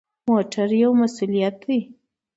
موټر یو مسؤلیت دی.